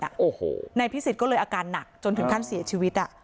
โอ้โหนายพิสิทธิ์ก็เลยอาการหนักจนถึงขั้นเสียชีวิตอ่ะ